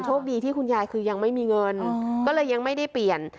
โชคดีที่คุณยายคือยังไม่มีเงินก็เลยยังไม่ได้เปลี่ยน